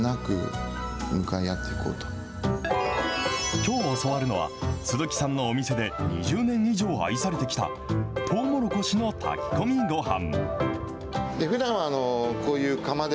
きょう教わるのは、鈴木さんのお店で２０年以上愛されてきた、とうもろこしの炊き込みごはん。